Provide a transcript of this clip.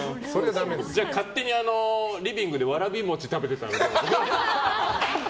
勝手にリビングでわらび餅食べてたらどう？